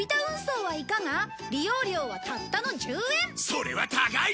それは高い！